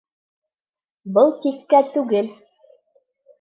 Был тиккә түгел!